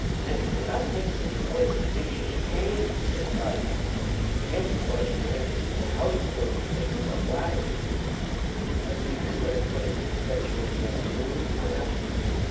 "An' papa takes us in the woods, an' makesh us canes," said Toddie. "Yes," said Budge, "and where there's new houses buildin', he takes us up ladders." "Has he any way of putting an extension on the afternoon?" I asked.